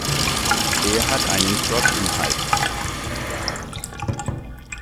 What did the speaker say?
Er hat einen Frosch im Hals.